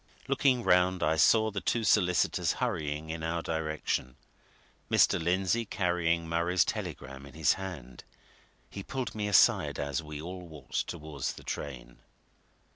Looking round I saw the two solicitors hurrying in our direction, Mr. Lindsey carrying Murray's telegram in his hand. He pulled me aside as we all walked towards the train.